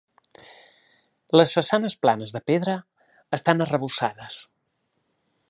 Les façanes planes de pedra estan arrebossades.